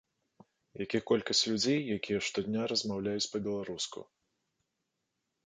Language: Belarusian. Як і колькасць людзей, якія штодня размаўляюць па-беларуску.